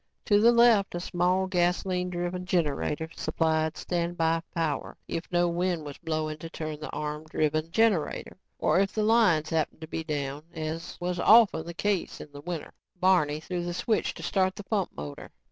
To the left, a small, gasoline driven generator supplied standby power if no wind was blowing to turn the arm driven generator or if the lines happened to be down, as was often the case in the winter. Barney threw the switch to start the pump motor.